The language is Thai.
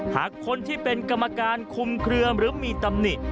หากคนที่เป็นกรรมการคุมเคลือหรือมีตำหนิ